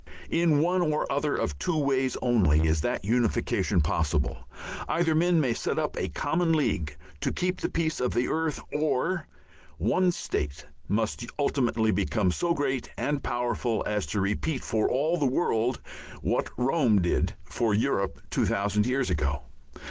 In one or other of two ways only is that unification possible. Either men may set up a common league to keep the peace of the earth, or one state must ultimately become so great and powerful as to repeat for all the world what Rome did for Europe two thousand years ago.